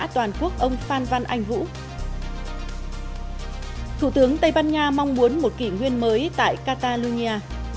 thủ tướng tây ban nha mong muốn một kỷ nguyên mới tại catalonia